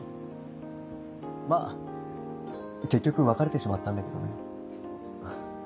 まぁ結局別れてしまったんだけどね。